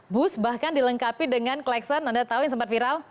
bus bahkan dilengkapi dengan klexan anda tahu yang sempat viral